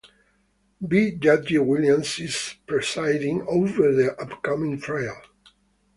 B Judge Williams is presiding over the upcoming trial.